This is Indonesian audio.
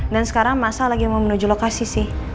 dan sekarang mas al lagi mau menuju lokasi sih